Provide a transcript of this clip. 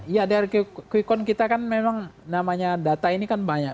ya dari quick count kita kan memang namanya data ini kan banyak